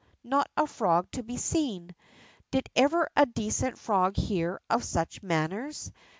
not a frog to be seen ! Did ever a decent frog hear of such manners!